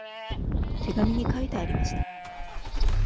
手紙に書いてありました。